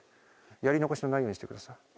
やり残しのないようにしてください。